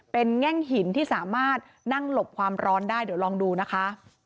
เป็นแง่งหินที่สามารถนั่งหลบความร้อนได้เดี๋ยวลองดูนะคะ